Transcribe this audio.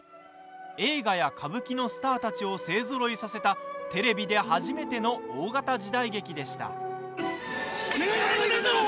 映画や歌舞伎のスターたちを勢ぞろいさせたテレビで初めての大型時代劇でした。